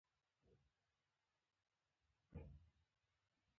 دوی ویل پاچا د خلکو په برکت پاچا دی.